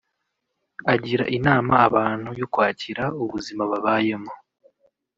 Agira inama abantu yo kwakira ubuzima babayemo